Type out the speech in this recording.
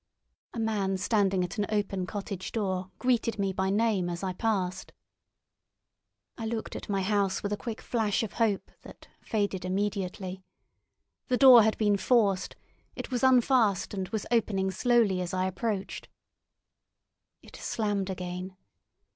A man standing at an open cottage door greeted me by name as I passed. I looked at my house with a quick flash of hope that faded immediately. The door had been forced; it was unfast and was opening slowly as I approached. It slammed again.